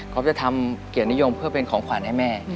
จะทำเกียรตินิยมเพื่อเป็นของขวัญให้แม่